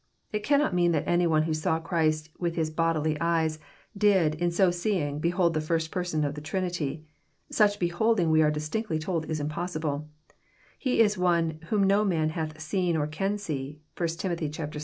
It cannot mean that any one who saw Christ with his bodily eyes, did, in so seeing, behold the First Person in the Trinity. Such beholding we are distinctly told is impossible. He is one *' whom no man hath seen or can see." (1 Tim. vi.